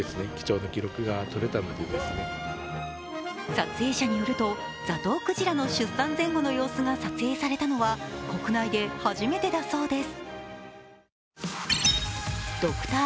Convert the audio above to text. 撮影者によると、ザトウクジラの出産前後の様子が撮影されたのは国内で初めてだそうです。